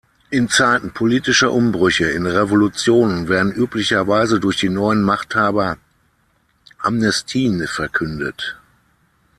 In Zeiten politischer Umbrüche in Revolutionen werden üblicherweise durch die neuen Machthaber Amnestien verkündet.